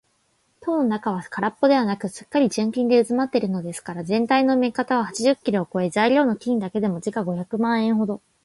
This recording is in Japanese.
塔の中はからっぽではなく、すっかり純金でうずまっているのですから、ぜんたいの目方は八十キロをこえ、材料の金だけでも時価五百万円ほど